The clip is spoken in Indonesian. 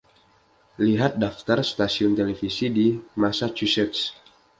Lihat Daftar stasiun televisi di Massachusetts.